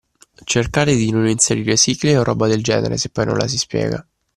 Cercare di non inserire sigle o roba del genere se poi non la si spiega